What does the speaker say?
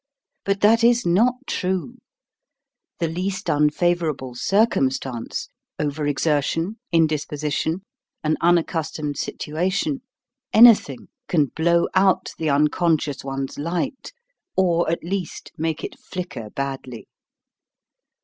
But that is not true. The least unfavorable circumstance, overexertion, indisposition, an unaccustomed situation, anything can blow out the " uncon scious" one's light, or at least make it flicker badly.